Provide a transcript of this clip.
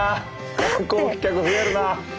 観光客増えるな。